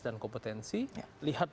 dan kompetensi lihat